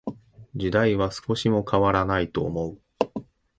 時代は少しも変らないと思う。